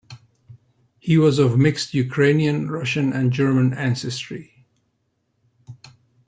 He was of mixed Ukrainian, Russian, and German ancestry.